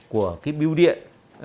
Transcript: của cái biêu điện